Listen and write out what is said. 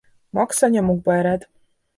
Max a nyomukba ered.